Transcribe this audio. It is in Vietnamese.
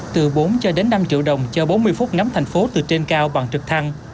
từ bốn năm triệu đồng cho bốn mươi phút ngắm thành phố từ trên cao bằng trực thăng